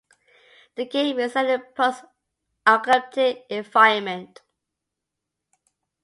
The game is set in a post-apocalyptic environment.